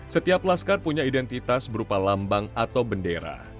setiap laskar punya identitas berupa lambang atau bendera